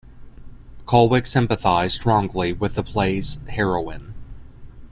Cullwick sympathised strongly with the play's heroine.